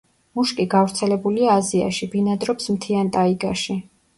მუშკი გავრცელებულია აზიაში, ბინადრობს მთიან ტაიგაში.